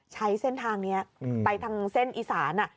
ใช้เส้นทางนี้ไปทางเส้นอีสาน